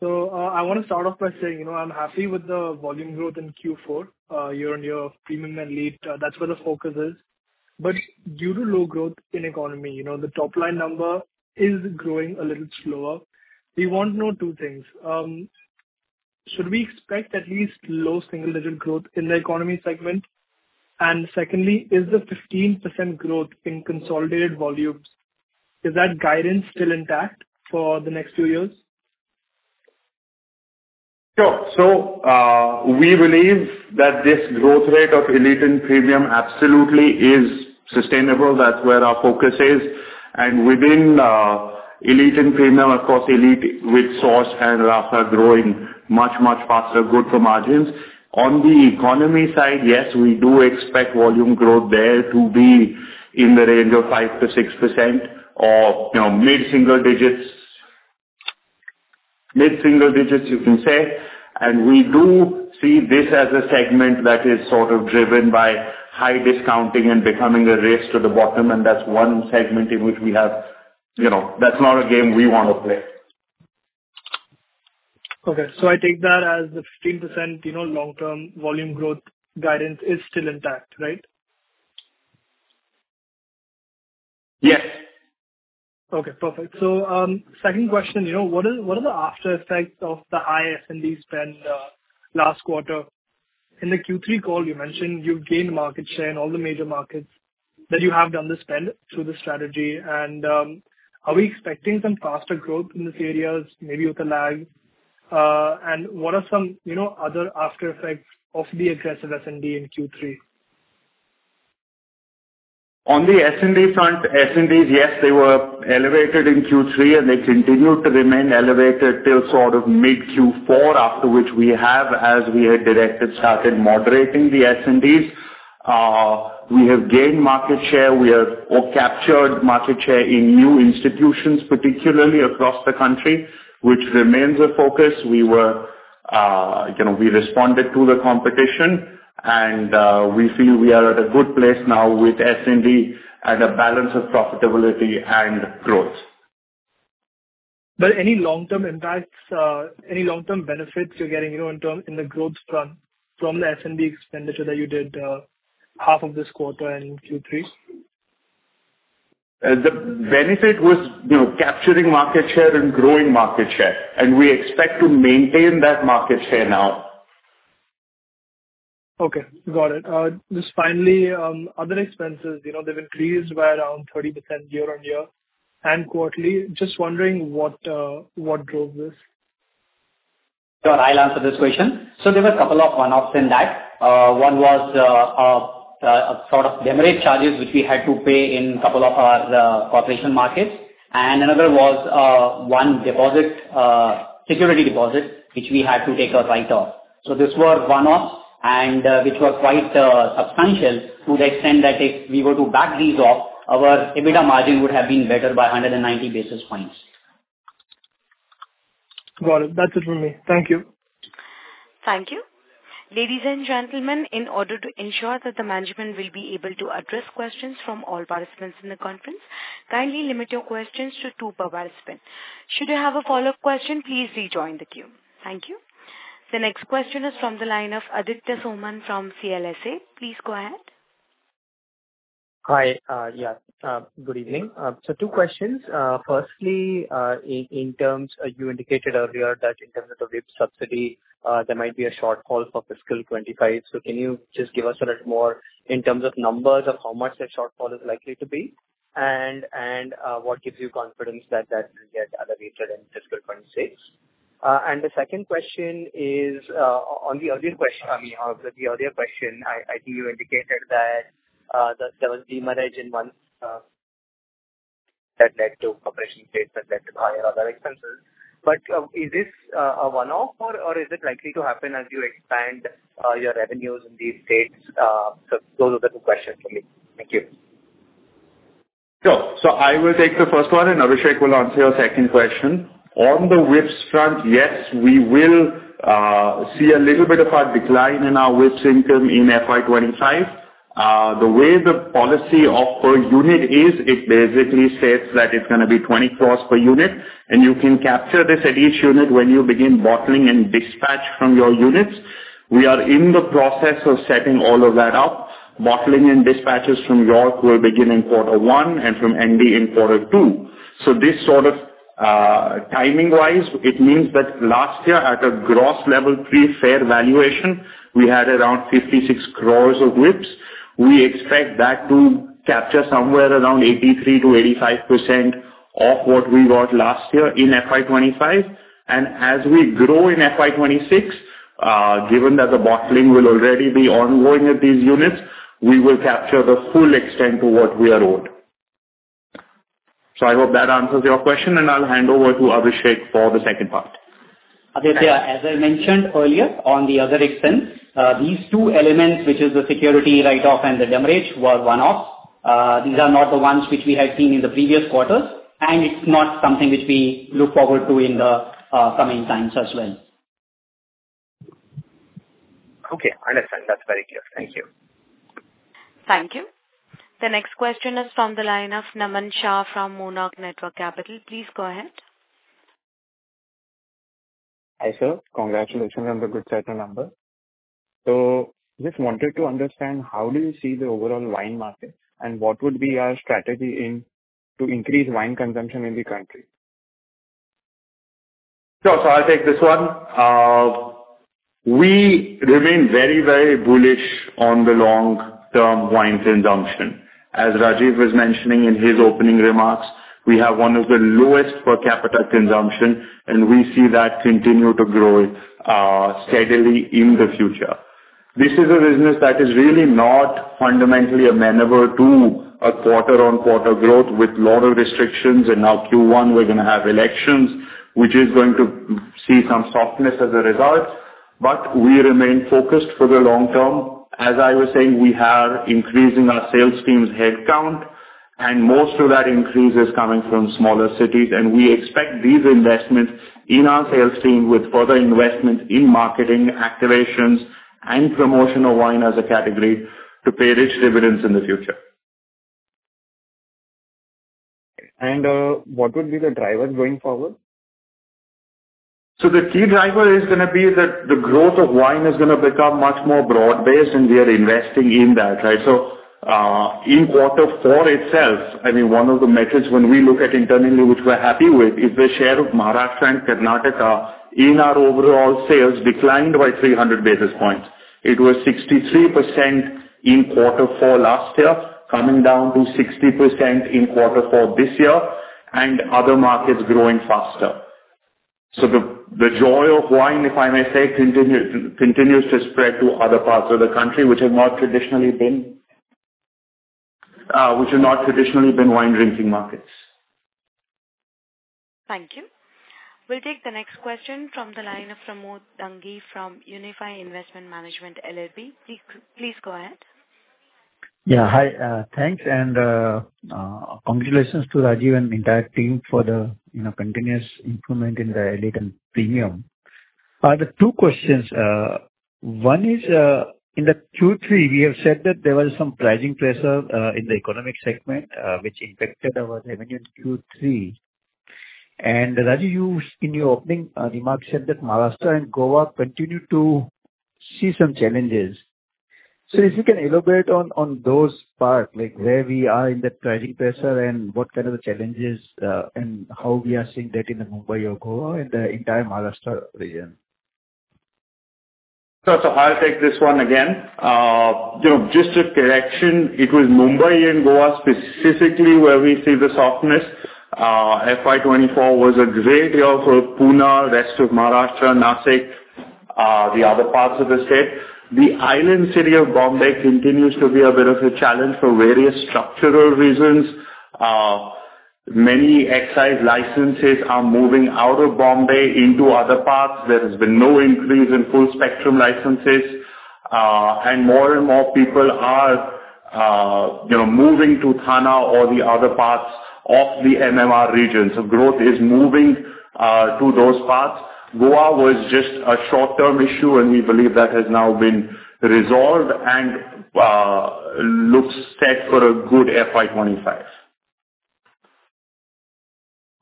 So, I want to start off by saying, you know, I'm happy with the volume growth in Q4, you're on your premium and elite, that's where the focus is. But due to low growth in economy, you know, the top line number is growing a little slower. We want to know two things. Should we expect at least low single-digit growth in the economy segment? And secondly, is the 15% growth in consolidated volumes, is that guidance still intact for the next two years? Sure. So, we believe that this growth rate of elite and premium absolutely is sustainable. That's where our focus is. And within, elite and premium, of course, elite with The Source and Rasa growing much, much faster, good for margins. On the economy side, yes, we do expect volume growth there to be in the range of 5%-6% or, you know, mid-single digits. Mid-single digits, you can say. And we do see this as a segment that is sort of driven by high discounting and becoming a race to the bottom, and that's one segment in which we have, you know, that's not a game we want to play. Okay. So I take that as the 15%, you know, long-term volume growth guidance is still intact, right? Yes. Okay, perfect. So, second question, you know, what are, what are the after effects of the high S&D spend last quarter? In the Q3 call, you mentioned you've gained market share in all the major markets, that you have done the spend through the strategy. And, are we expecting some faster growth in these areas, maybe with a lag? And what are some, you know, other after effects of the aggressive S&D in Q3? On the S&D front, S&Ds, yes, they were elevated in Q3, and they continued to remain elevated till sort of mid-Q4, after which we have, as we had directed, started moderating the S&Ds. We have gained market share, we have captured market share in new institutions, particularly across the country, which remains a focus. We were, you know, we responded to the competition, and, we feel we are at a good place now with S&D at a balance of profitability and growth. But any long-term impacts, any long-term benefits you're getting, you know, in term, in the growth front from the S&D expenditure that you did, half of this quarter in Q3? The benefit was, you know, capturing market share and growing market share, and we expect to maintain that market share now. Okay, got it. Just finally, other expenses, you know, they've increased by around 30% year-on-year and quarterly. Just wondering what, what drove this? Sure, I'll answer this question. There were a couple of one-offs in that. One was a sort of demurrage charges, which we had to pay in a couple of our corporate markets, and another was one security deposit, which we had to take a write-off. These were one-offs and which were quite substantial to the extent that if we were to back these out, our EBITDA margin would have been better by 190 basis points. Got it. That's it from me. Thank you. Thank you. Ladies and gentlemen, in order to ensure that the management will be able to address questions from all participants in the conference, kindly limit your questions to two per participant. Should you have a follow-up question, please rejoin the queue. Thank you. The next question is from the line of Aditya Soman from CLSA. Please go ahead. Hi, yeah, good evening. So two questions. Firstly, in terms, you indicated earlier that in terms of the WIPS subsidy, there might be a shortfall for fiscal 25. So can you just give us a little more in terms of numbers of how much that shortfall is likely to be? And, what gives you confidence that that will get over in fiscal 26? And the second question is, on the earlier question, I mean, on the earlier question, I think you indicated that there was demurrage in one that led to operations in states that led to higher other expenses. But, is this a one-off, or is it likely to happen as you expand your revenues in these states? So those are the two questions for me. Thank you. Sure. So I will take the first one, and Abhishek will answer your second question. On the WIPS front, yes, we will see a little bit of a decline in our WIPS income in FY25. The way the policy of per unit is, it basically says that it's gonna be 20 crore per unit, and you can capture this at each unit when you begin bottling and dispatch from your units. We are in the process of setting all of that up. Bottling and dispatches from York will begin in Q1 and from ND in Q2. So this sort of, timing-wise, it means that last year, at a gross level, pre-fair valuation, we had around 56 crore of WIPS. We expect that to capture somewhere around 83%-85% of what we got last year in FY25. And as we grow in FY26, given that the bottling will already be ongoing at these units, we will capture the full extent to what we are owed. So I hope that answers your question, and I'll hand over to Abhishek for the second part. As I mentioned earlier, on the other expense, these two elements, which is the security write-off and the demurrage, were one-off. These are not the ones which we had seen in the previous quarters, and it's not something which we look forward to in the coming times as well. Okay, I understand. That's very clear. Thank you. Thank you. The next question is from the line of Naman Shah from Monarch Networth Capital. Please go ahead. Hi, sir. Congratulations on the good set of numbers. So just wanted to understand, how do you see the overall wine market, and what would be our strategy in... to increase wine consumption in the country? Sure, so I'll take this one. We remain very, very bullish on the long-term wine consumption. As Rajeev was mentioning in his opening remarks, we have one of the lowest per capita consumption, and we see that continue to grow steadily in the future. This is a business that is really not fundamentally amenable to a quarter-on-quarter growth, with lot of restrictions, and now Q1, we're going to have elections, which is going to see some softness as a result. But we remain focused for the long term. As I was saying, we are increasing our sales team's headcount, and most of that increase is coming from smaller cities, and we expect these investments in our sales team, with further investments in marketing, activations, and promotion of wine as a category, to pay rich dividends in the future. What would be the drivers going forward? So the key driver is gonna be that the growth of wine is gonna become much more broad-based, and we are investing in that, right? So, in quarter four itself, I mean, one of the metrics when we look at internally, which we're happy with, is the share of Maharashtra and Karnataka in our overall sales declined by 300 basis points. It was 63% in quarter four last year, coming down to 60% in quarter four this year, and other markets growing faster. So the joy of wine, if I may say, continues to spread to other parts of the country, which have not traditionally been wine drinking markets. Thank you. We'll take the next question from the line of Pramod Dangi from Unifi Investment Management LLP. Please, please go ahead. Yeah. Hi, thanks, and congratulations to Rajeev and the entire team for the, you know, continuous improvement in the elite and premium. The two questions, one is, in the Q3, we have said that there was some pricing pressure in the economic segment, which impacted our revenue in Q3. And, Rajeev, you, in your opening remarks, said that Maharashtra and Goa continue to see some challenges. So if you can elaborate on those parts, like where we are in the pricing pressure and what kind of challenges, and how we are seeing that in the Mumbai or Goa, in the entire Maharashtra region? Sure. So I'll take this one again. You know, just a correction, it was Mumbai and Goa specifically where we see the softness. FY24 was a great year for Pune, rest of Maharashtra, Nashik, the other parts of the state. The island city of Bombay continues to be a bit of a challenge for various structural reasons. Many excise licenses are moving out of Bombay into other parts. There has been no increase in full-spectrum licenses, and more and more people are, you know, moving to Thane or the other parts of the MMR region. So growth is moving to those parts. Goa was just a short-term issue, and we believe that has now been resolved and looks set for a good FY25.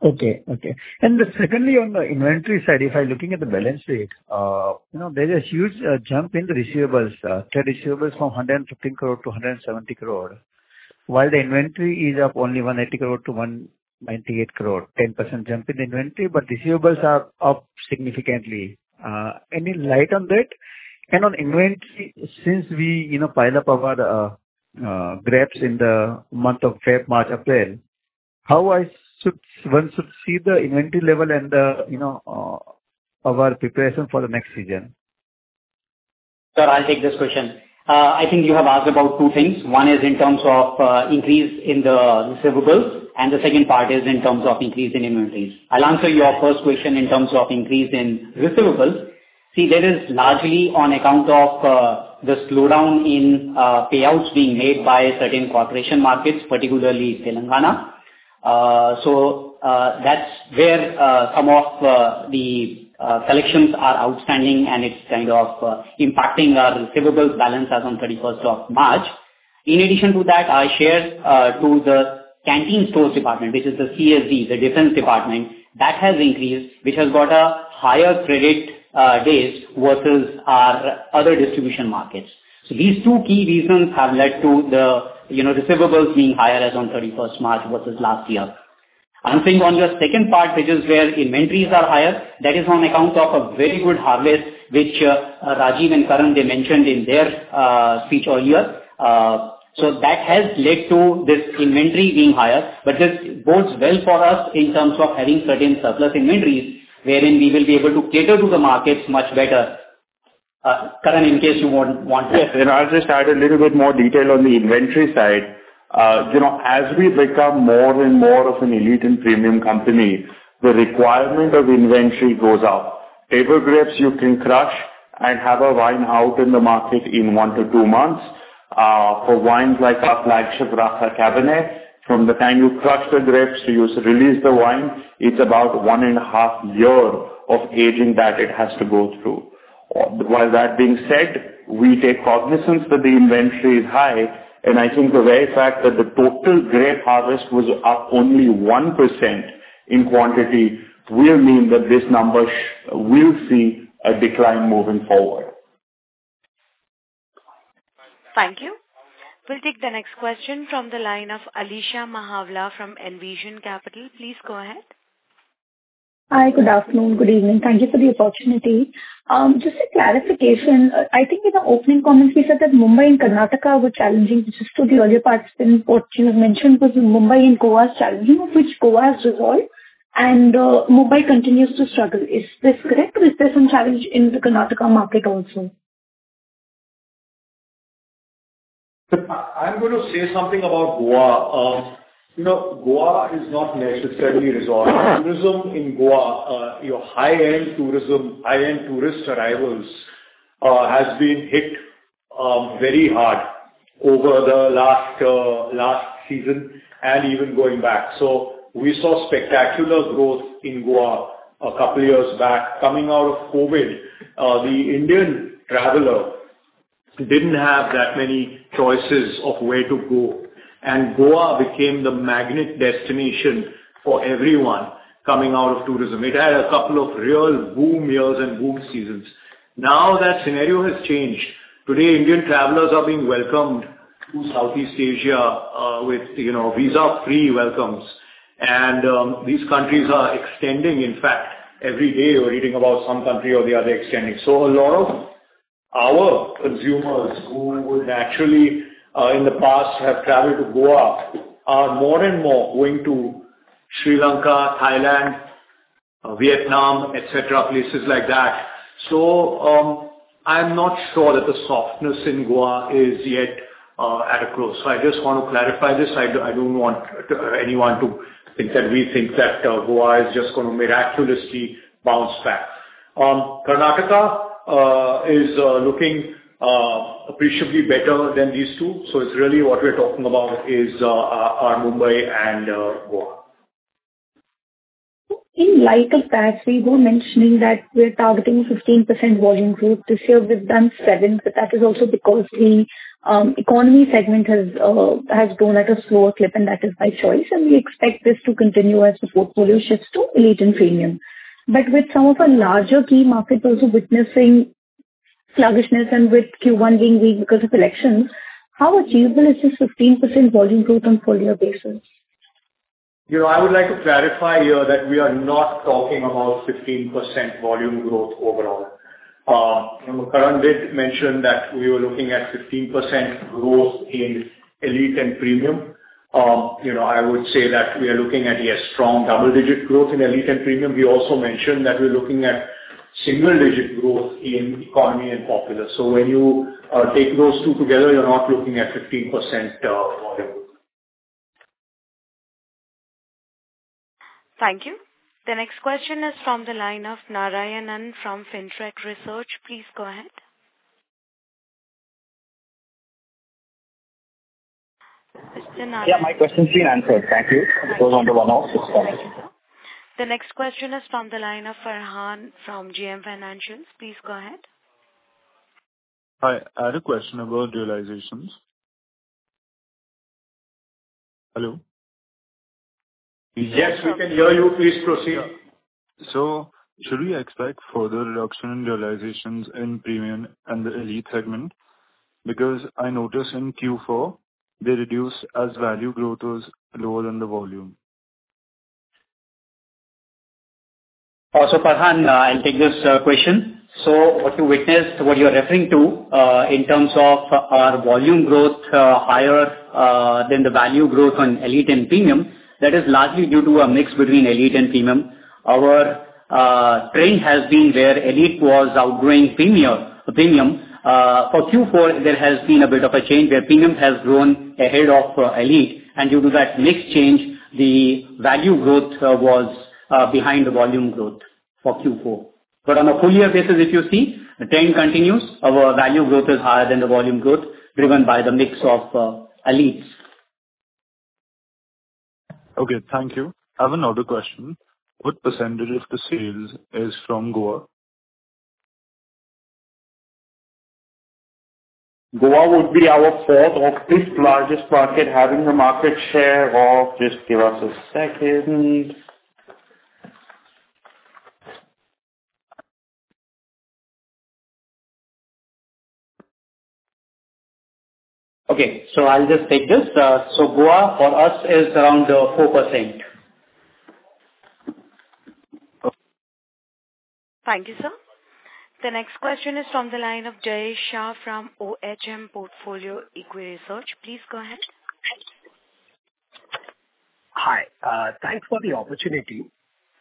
Okay, okay. Then secondly, on the inventory side, if I'm looking at the balance sheet, you know, there's a huge jump in the receivables, trade receivables from 115 crore to 170 crore, while the inventory is up only 180 crore to 198 crore, 10% jump in inventory, but receivables are up significantly. Any light on that? And on inventory, since we, you know, pile up our grapes in the month of February, March, April, how one should see the inventory level and, you know, our preparation for the next season? Sir, I'll take this question. I think you have asked about two things. One is in terms of, increase in the receivables, and the second part is in terms of increase in inventories. I'll answer your first question in terms of increase in receivables. See, that is largely on account of, the slowdown in, payouts being made by certain corporation markets, particularly Telangana. So, that's where, some of, the, collections are outstanding, and it's kind of, impacting our receivables balance as on thirty-first of March. In addition to that, our shares, to the Canteen Stores Department, which is the CSD, the Defense Department, that has increased, which has got a higher credit, days versus our other distribution markets. So these two key reasons have led to the, you know, receivables being higher as on thirty-first March versus last year. Answering on your second part, which is where inventories are higher, that is on account of a very good harvest, which, Rajeev and Karan, they mentioned in their, speech earlier. So that has led to this inventory being higher, but this bodes well for us in terms of having certain surplus inventories, wherein we will be able to cater to the markets much better. Karan, in case you want to- Yes. You know, I'll just add a little bit more detail on the inventory side. You know, as we become more and more of an elite and premium company, the requirement of inventory goes up. Table grapes, you can crush and have a wine out in the market in 1-2 months. For wines like our flagship Rasa Cabernet, from the time you crush the grapes to you release the wine, it's about 1.5 years of aging that it has to go through. While that being said, we take cognizance that the inventory is high, and I think the very fact that the total grape harvest was up only 1% in quantity will mean that this number will see a decline moving forward. Thank you. We'll take the next question from the line of Alisha Mahawla from Envision Capital. Please go ahead. Hi, good afternoon, good evening. Thank you for the opportunity. Just a clarification, I think in the opening comments, you said that Mumbai and Karnataka were challenging, which is so the earlier parts in what you have mentioned was Mumbai and Goa is challenging, of which Goa has resolved and, Mumbai continues to struggle. Is this correct, or is there some challenge in the Karnataka market also? I'm going to say something about Goa. You know, Goa is not necessarily resolved. Tourism in Goa, your high-end tourism, high-end tourist arrivals, has been hit very hard over the last last season and even going back. So we saw spectacular growth in Goa a couple years back. Coming out of COVID, the Indian traveler didn't have that many choices of where to go, and Goa became the magnet destination for everyone coming out of tourism. It had a couple of real boom years and boom seasons. Now, that scenario has changed. Today, Indian travelers are being welcomed to Southeast Asia, with, you know, visa-free welcomes. And these countries are extending. In fact, every day we're reading about some country or the other extending. So a lot of our consumers who would naturally, in the past have traveled to Goa, are more and more going to Sri Lanka, Thailand, Vietnam, et cetera, places like that. So, I'm not sure that the softness in Goa is yet, at a close. So I just want to clarify this. I don't, I don't want anyone to think that we think that, Goa is just gonna miraculously bounce back. Karnataka, is, looking, appreciably better than these two. So it's really what we're talking about is, are Mumbai and, Goa. In light of that, we were mentioning that we're targeting 15% volume growth. This year, we've done 7%, but that is also because the economy segment has grown at a slower clip, and that is by choice, and we expect this to continue as the portfolio shifts to elite and premium. But with some of our larger key markets also witnessing sluggishness and with Q1 being weak because of elections, how achievable is this 15% volume growth on full year basis? You know, I would like to clarify here that we are not talking about 15% volume growth overall. Karan did mention that we were looking at 15% growth in elite and premium. You know, I would say that we are looking at, yes, strong double-digit growth in elite and premium. We also mentioned that we're looking at single-digit growth in economy and popular. So when you take those two together, you're not looking at 15% volume. Thank you. The next question is from the line of Narayanan from FinTrack Research. Please go ahead. Mr. Narayanan- Yeah, my question's been answered. Thank you. It goes under one of... It's fine. The next question is from the line of Farhan from JM Financial. Please go ahead. Hi, I had a question about realizations. Hello? Yes, we can hear you. Please proceed. Should we expect further reduction in realizations in premium and the elite segment? Because I noticed in Q4, they reduced as value growth was lower than the volume. So Farhan, I'll take this question. So what you witnessed, what you're referring to, in terms of our volume growth, higher than the value growth on elite and premium, that is largely due to a mix between elite and premium. Our trend has been where elite was outgrowing premium. For Q4, there has been a bit of a change, where premium has grown ahead of elite, and due to that mix change, the value growth was behind the volume growth for Q4. But on a full year basis, if you see, the trend continues. Our value growth is higher than the volume growth, driven by the mix of elites. Okay, thank you. I have another question: What % of the sales is from Goa? Goa would be our fourth or fifth largest market, having a market share of... Just give us a second. Okay, so I'll just take this. Goa for us is around 4%. Okay. Thank you, sir. The next question is from the line of Jay Shah from Ohm Portfolio Equity Research. Please go ahead. Hi, thanks for the opportunity.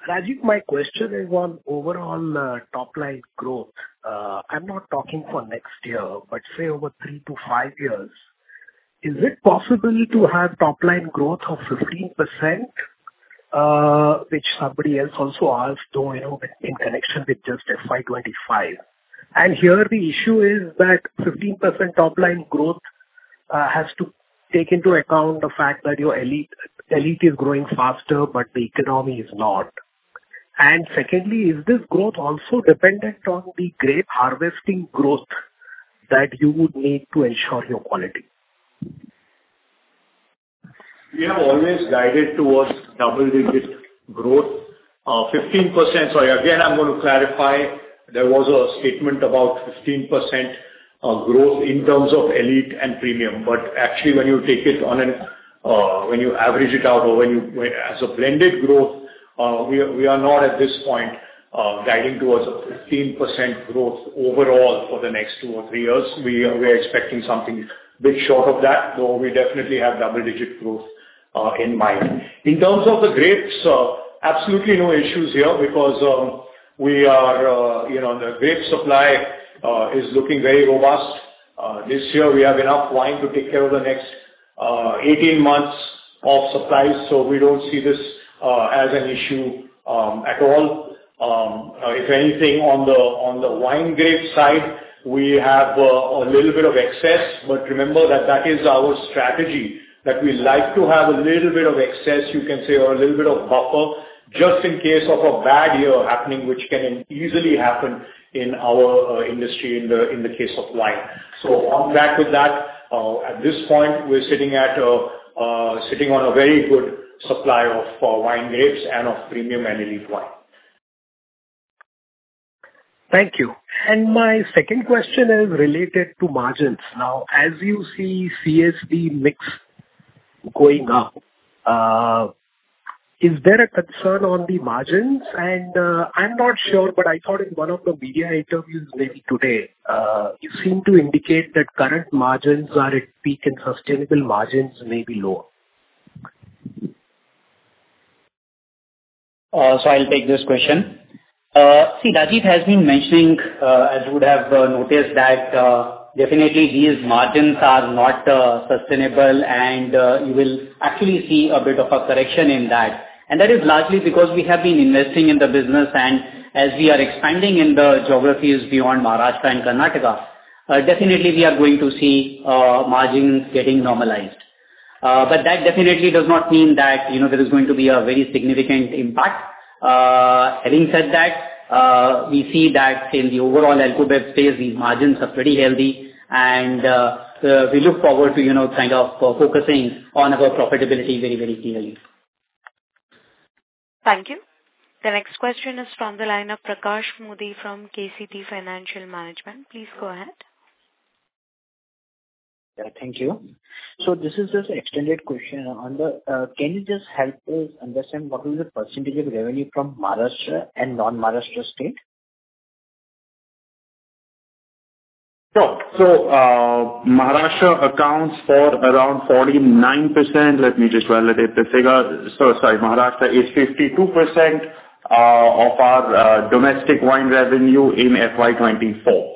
Rajeev, my question is on overall top line growth. I'm not talking for next year, but say, over 3-5 years. Is it possible to have top line growth of 15%, which somebody else also asked, though, you know, in connection with just FY25? And here the issue is that 15% top line growth has to take into account the fact that your elite, elite is growing faster, but the economy is not. And secondly, is this growth also dependent on the grape harvesting growth that you would need to ensure your quality? We have always guided towards double-digit growth. Sorry, again, I'm going to clarify. There was a statement about 15%, growth in terms of elite and premium, but actually, when you take it on an, as a blended growth, we are, we are not at this point, guiding towards a 15% growth overall for the next two or three years. We are, we're expecting something bit short of that, though we definitely have double-digit growth, in mind. In terms of the grapes, absolutely no issues here because, we are, you know, the grape supply, is looking very robust. This year we have enough wine to take care of the next, 18 months of supply, so we don't see this, as an issue, at all. If anything, on the wine grape side, we have a little bit of excess, but remember that that is our strategy, that we like to have a little bit of excess, you can say, or a little bit of buffer, just in case of a bad year happening, which can easily happen in our industry, in the case of wine. So on that, with that, at this point, we're sitting on a very good supply of wine grapes and of premium and elite wine. Thank you. My second question is related to margins. Now, as you see CSD mix going up, is there a concern on the margins? I'm not sure, but I thought in one of the media interviews maybe today, you seemed to indicate that current margins are at peak and sustainable margins may be lower. So I'll take this question. See, Rajeev has been mentioning, as you would have noticed, that definitely these margins are not sustainable, and you will actually see a bit of a correction in that. And that is largely because we have been investing in the business, and as we are expanding in the geographies beyond Maharashtra and Karnataka, definitely we are going to see margins getting normalized. But that definitely does not mean that, you know, there is going to be a very significant impact. Having said that, we see that in the overall alcohol space, the margins are pretty healthy and we look forward to, you know, kind of focusing on our profitability very, very clearly. Thank you. The next question is from the line of Prateek Mody from KCP Financial Management. Please go ahead. Yeah, thank you. So this is just an extended question on the... Can you just help us understand what is the percentage of revenue from Maharashtra and non-Maharashtra state? Sure. Maharashtra accounts for around 49%. Let me just validate the figure. Sorry, Maharashtra is 52% of our domestic wine revenue in FY24.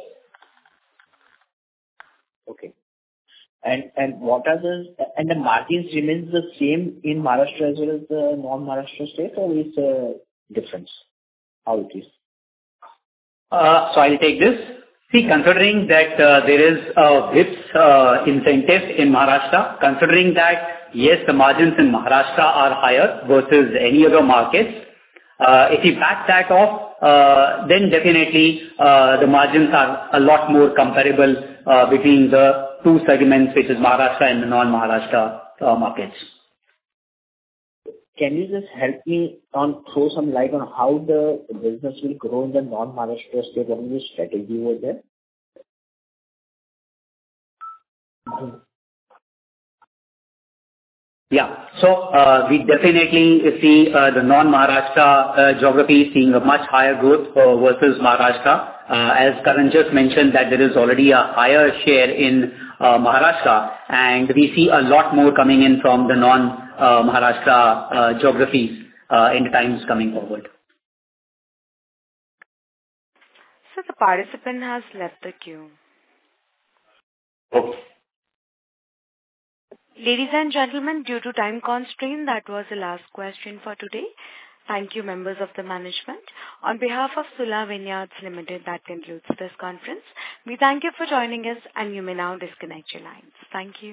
Okay. And what are the margins? And the margins remains the same in Maharashtra as well as the non-Maharashtra state, or it's different? How it is? So I'll take this. See, considering that there is this incentive in Maharashtra, considering that, yes, the margins in Maharashtra are higher versus any other markets, if you back that off, then definitely the margins are a lot more comparable between the two segments, which is Maharashtra and the non-Maharashtra markets. Can you just help me and throw some light on how the business will grow in the non-Maharashtra state? What is the strategy over there? Yeah. So, we definitely see the non-Maharashtra geography seeing a much higher growth versus Maharashtra. As Karan just mentioned, that there is already a higher share in Maharashtra, and we see a lot more coming in from the non Maharashtra geographies in the times coming forward. The participant has left the queue. Okay. Ladies and gentlemen, due to time constraint, that was the last question for today. Thank you, members of the management. On behalf of Sula Vineyards Limited, that concludes this conference. We thank you for joining us, and you may now disconnect your lines. Thank you.